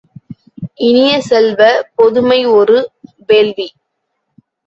இனிய செல்வ, பொதுமை ஒரு வேள்வி!